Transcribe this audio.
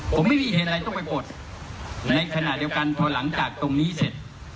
ผมไม่มีเหตุอะไรต้องไปปลดในขณะเดียวกันพอหลังจากตรงนี้เสร็จ